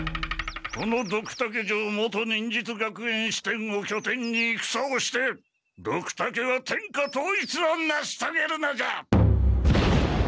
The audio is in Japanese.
このドクタケ城元忍術学園支店を拠点に戦をしてドクタケは天下統一をなしとげるのじゃ！